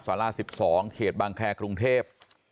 สารา๑๒เขตบางแครกรุงเทพ